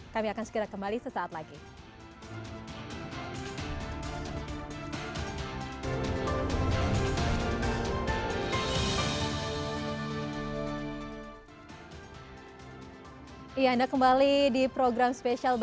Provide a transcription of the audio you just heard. kami akan segera kembali sesaat lagi